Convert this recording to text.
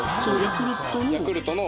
ヤクルトの？